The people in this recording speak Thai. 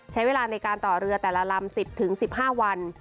ใช้เวลาในการต่อเรือแต่ละลำ๑๐๑๕วัน